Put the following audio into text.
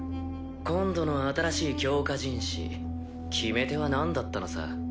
今度の新しい強化人士決め手はなんだったのさ？